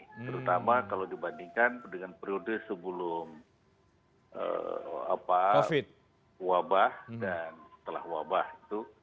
terutama kalau dibandingkan dengan periode sebelum wabah dan setelah wabah itu